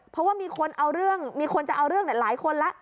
เพราะว่ามีคนเอาเรื่องมีคนจะเอาเรื่องหลายคนแล้ว